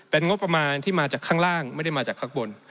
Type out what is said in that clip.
เป็นงบประมาณที่มาจากข้างล่างไม่ได้มาจากข้างบน